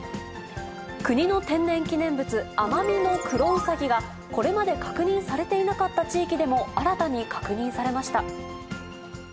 国の天然記念物、アマミノクロウサギが、これまで確認されていなかった地域でも新たに確認されました。